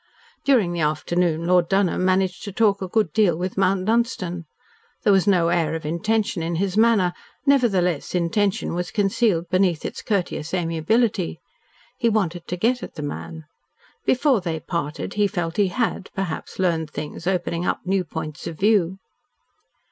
During the afternoon Lord Dunholm managed to talk a good deal with Mount Dunstan. There was no air of intention in his manner, nevertheless intention was concealed beneath its courteous amiability. He wanted to get at the man. Before they parted he felt he had, perhaps, learned things opening up new points of view.